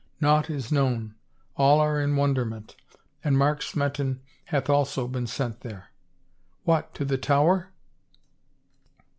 Naught is known. All are in wonderment. And Mark Smeton hath also been sent there." "What, to the Tower?